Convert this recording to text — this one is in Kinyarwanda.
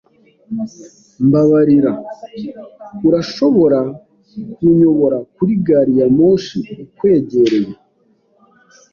Mbabarira. Urashobora kunyobora kuri gari ya moshi ikwegereye?